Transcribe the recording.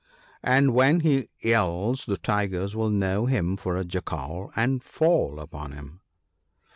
And when he yells the Tigers will know him for a Jackal and fall upon him.'